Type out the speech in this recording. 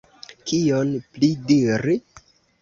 Kion pli diri?